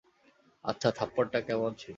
আচ্ছা, থাপ্পড়টা কেমন ছিল?